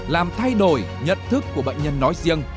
làm thay đổi nhận thức của bệnh nhân nói riêng